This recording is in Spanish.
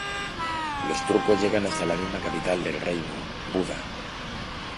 Los turcos llegan hasta la misma capital del reino, Buda.